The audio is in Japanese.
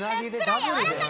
やわらかい。